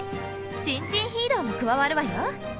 新人ヒーローも加わるわよ。